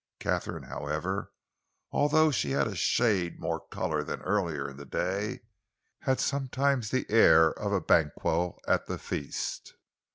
Katharine, however, although she had a shade more colour than earlier in the day, had sometimes the air of a Banquo at the feast.